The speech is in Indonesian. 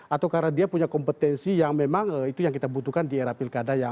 atau karena dia punya kompetensi yang memang itu yang kita butuhkan di era pilkada